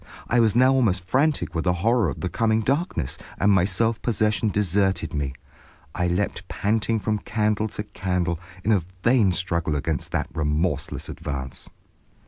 I was now almost frantic with the horror of the coming darkness, and my self possession deserted me. I leaped panting from candle to candle in a vain struggle against that remorseless advance.